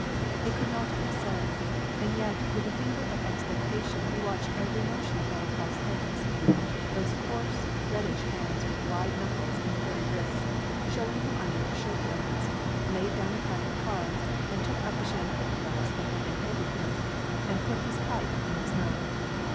It could not be so, and yet with a fever of expectation, he watched every motion of Dolokhof 's hands. Those coarse reddish hands with wide knuckles and hairy wrists, showing from under his shirt bands, laid down the pack of cards, and took up the champagne glass that had been handed him, and put his pipe in his mouth.